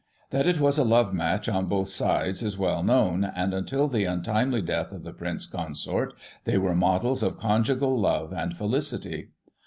That it was a love match on both sides is well known, and, until the untimely death of the Prince Consort, they were models of conjugal love and felicity.